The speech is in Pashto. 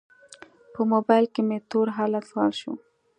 په موبایل کې مې تور حالت فعال شو.